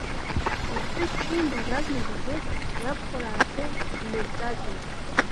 Иԥҳәыс дшимбаз азнык азы иабхәараа рҿы имырӡаӡеит.